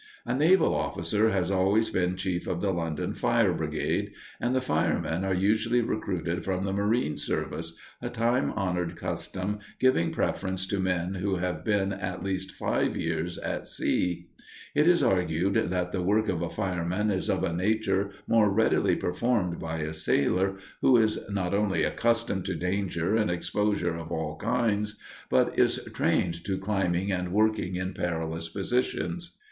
A naval officer has always been chief of the London fire brigade, and the firemen are usually recruited from the marine service, a time honored custom giving preference to men who have been at least five years at sea. It is argued that the work of a fireman is of a nature more readily performed by a sailor, who is not only accustomed to danger and exposure of all kinds, but is trained to climbing and working in perilous positions.